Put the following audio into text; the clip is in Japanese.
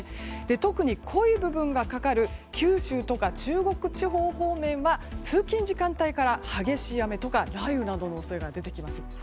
特に濃い部分がかかる九州とか中国地方方面は通勤時間帯に激しい雨や雷雨の恐れが出てきます。